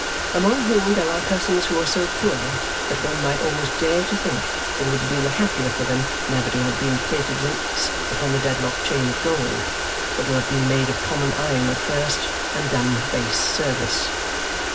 Among whom there are cousins who are so poor that one might almost dare to think it would have been the happier for them never to have been plated links upon the Dedlock chain of gold, but to have been made of common iron at first and done base service.